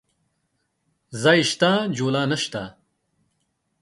ځاى سته ، جولايې نسته.